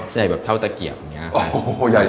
ใหญ่แบบเท่าตะเกียบอย่างนี้ค่ะนะครับทุกคน